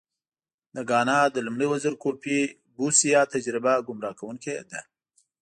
د ګانا د لومړي وزیر کوفي بوسیا تجربه ګمراه کوونکې ده.